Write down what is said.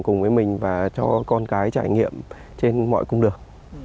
cùng với mình và cho con cái trải nghiệm trên mọi cung đường